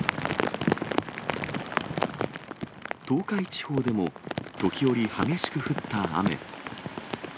東海地方でも、時折、激しく降った雨。